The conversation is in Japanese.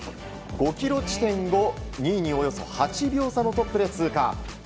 ５ｋｍ地点を、２位におよそ８秒差のトップで通過。